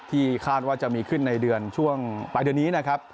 ที่คาดว่าจะมีขึ้นในเดือนช่วงปลายเดือนนี้นะครับ